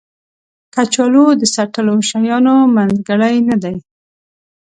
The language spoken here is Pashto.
کچالو د څټلو شیانو منځګړی نه دی